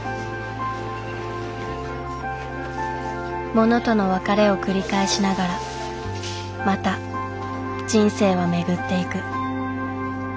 物との別れを繰り返しながらまた人生は巡っていく。